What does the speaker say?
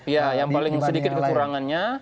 ya yang paling sedikit kekurangannya